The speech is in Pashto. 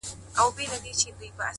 فکر مي وران دی حافظه مي ورانه ـ